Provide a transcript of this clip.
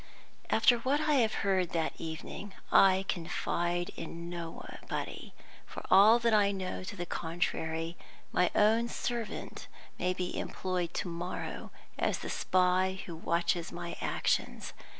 After what I have heard that evening, I confide in nobody. For all I know to the contrary, my own servant may be employed to morrow as the spy who watches my actions.